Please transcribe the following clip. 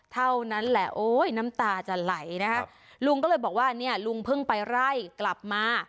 เท่านั้นแหละโอ้ยน้ำตาจะไหลนะคะลุงก็เลยบอกว่าเนี่ยลุงเพิ่งไปไล่กลับมา